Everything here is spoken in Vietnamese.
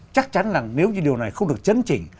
chắc chắn là nếu như điều này không được chấn chỉnh